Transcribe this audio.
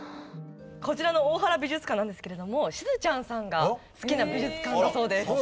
こちらの大原美術館なんですけれどもしずちゃんさんが好きな美術館だそうです。